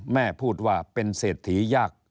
แม่พูดว่าเป็นเศรษฐียาก